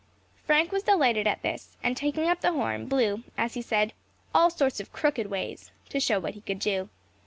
Frank was delighted at this, and taking up the horn, blew, as he said, "all sorts of crooked ways," to show what he could do.